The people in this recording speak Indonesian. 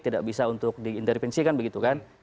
tidak bisa untuk diintervensi kan begitu kan